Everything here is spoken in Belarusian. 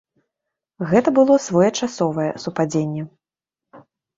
Гэта было своечасовае супадзенне.